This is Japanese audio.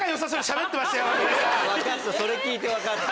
それ聞いて分かった。